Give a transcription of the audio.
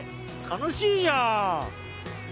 楽しいじゃん！！